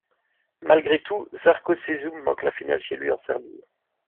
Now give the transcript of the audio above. Malgré tout Žarko Šešum manque la finale chez lui en Serbie.